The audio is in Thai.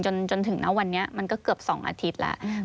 จนถึงณวันนี้มันก็เกือบ๒อาทิตย์แล้ว